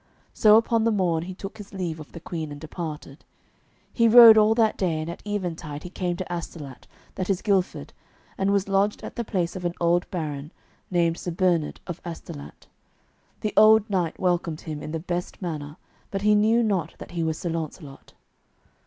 So upon the morn he took his leave of the Queen, and departed. He rode all that day, and at eventide he came to Astolat, that is Gilford, and was lodged at the place of an old baron, named Sir Bernard of Astolat. The old knight welcomed him in the best manner, but he knew not that he was Sir Launcelot.